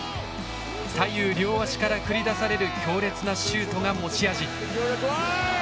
左右両足から繰り出される強烈なシュートが持ち味。